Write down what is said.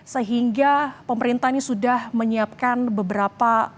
sehingga pemerintah ini sudah menyiapkan beberapa